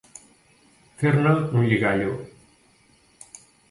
Fer-ne un lligallo.